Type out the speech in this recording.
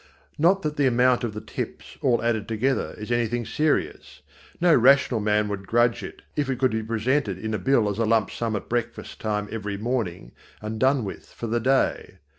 Not that the amount of the tips, all added together, is anything serious. No rational man would grudge it if it could be presented in a bill as a lump sum at breakfast time every morning and done with for the day.